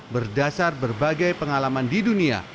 berdasar berbagai pengalaman di dunia